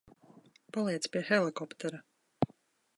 Paliec pie helikoptera.